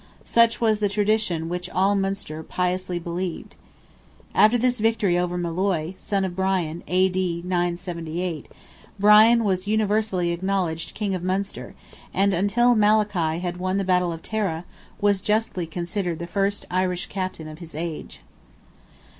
Such was the tradition which all Munster piously believed. After this victory over Molloy, son of Bran (A.D. 978), Brian was universally acknowledged King of Munster, and until Malachy had won the battle of Tara, was justly considered the first Irish captain of his age.